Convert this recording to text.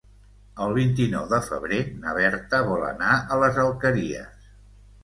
El vint-i-nou de febrer na Berta vol anar a les Alqueries.